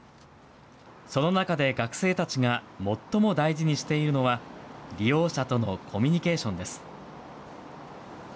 その中で学生たちが最も大事にしているのは、利用者とのコミュニケーションです。